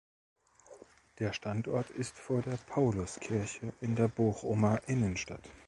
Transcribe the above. Der Standort ist vor der Pauluskirche in der Bochumer Innenstadt.